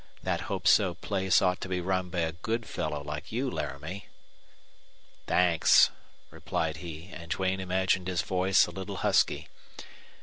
That Hope So place ought to be run by a good fellow like you, Laramie." "Thanks," replied he; and Duane imagined his voice a little husky.